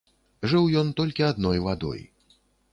Жыў ён толькі адной вадой.